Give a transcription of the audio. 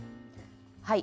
はい。